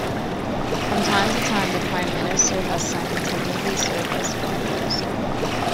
From time to time, the Prime Minister has simultaneously served as Foreign Minister.